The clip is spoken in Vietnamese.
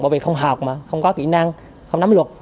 bởi vì không học mà không có kỹ năng không nắm luật